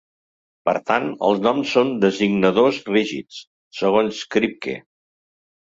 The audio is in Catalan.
Per tant, els noms són "designadors rígids", segons Kripke.